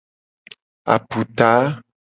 Aputa.